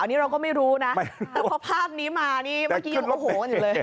นี่เราก็ไม่รู้นะแต่คือพากนี้มานี่เมื่อกี้ยังโโหเลย